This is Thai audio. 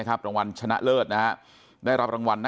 คุณยายบอกว่ารู้สึกเหมือนใครมายืนอยู่ข้างหลัง